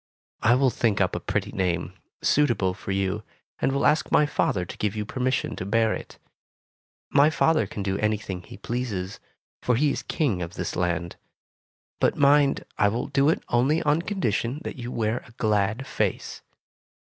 I will think up a pretty name, suitable for you, and will ask my father to give you permission to bear it. My father can do anything he pleases, for he is King of this land. But, mind, I will do it only on condition that you wear a glad face.